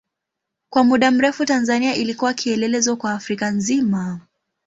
Kwa muda mrefu Tanzania ilikuwa kielelezo kwa Afrika nzima.